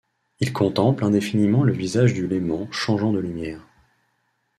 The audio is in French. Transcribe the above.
Il contemple indéfiniment le visage du Léman changeant de lumière.